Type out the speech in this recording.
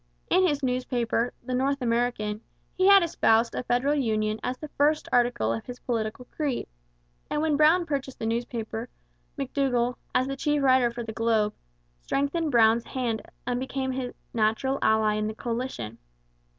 In his newspaper, the North American, he had espoused a federal union as the first article of his political creed; and when Brown purchased the paper, McDougall, as the chief writer for the Globe, strengthened Brown's hands and became his natural ally in the coalition.